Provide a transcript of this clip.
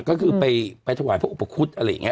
ก็คือไปถวายพระอุปคุฎอะไรอย่างนี้